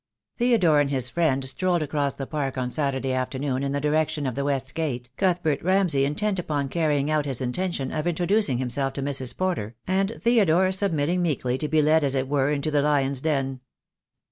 Theodore and his friend strolled across the Park on Saturday afternoon in the direction of the west gate, Cuthbert Ramsay intent upon carrying out his intention of introducing himself to Mrs. Porter, and Theodore sub mitting meekly to be led as it were into the lion's den.